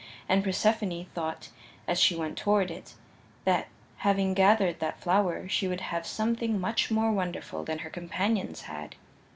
And Persephone thought as she went toward it that having gathered that flower she would have something much more wonderful than her companions had.